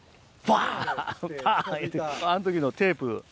あん時のテープ。